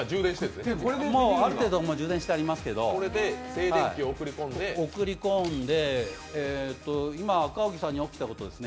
ある程度、充電してありますけど、静電気を送り込んで、今、赤荻さんに起きたことですね